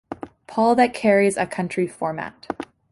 Paul that carries a country format.